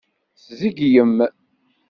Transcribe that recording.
Tzeglem.